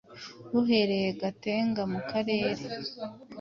buherereye Gatenga mu Karere